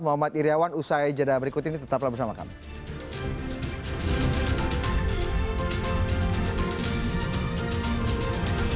muhammad iryawan usai jeda berikut ini tetaplah bersama kami